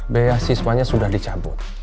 beasiswanya sudah dicabut